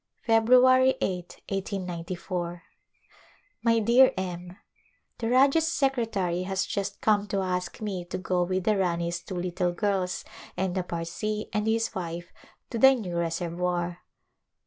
February 8^ i8g^. My dear M : The Rajah's secretary has just come to ask me to go with the Rani's two little girls and the Parsee and his wife to the new reservoir.